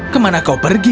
kemana kau pergi